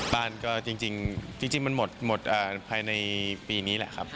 บ้านก็จริงมันหมดภายในปีนี้แหละครับ